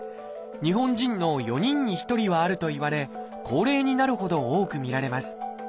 日本人の４人に１人はあるといわれ高齢になるほど多く見られます。